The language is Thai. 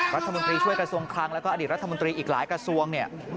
รัฐมฤติช่วยกระทรวงครั้งและอดีตรัฐมนตรีอีกหลายกระทรวง